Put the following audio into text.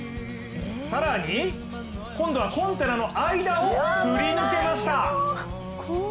更に今度はコンテナの間をすり抜けました。